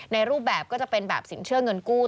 รูปแบบก็จะเป็นแบบสินเชื่อเงินกู้